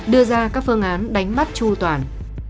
đưa ra các phương án đánh bắt chu toàn